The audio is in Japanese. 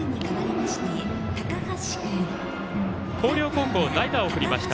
広陵高校代打を送りました。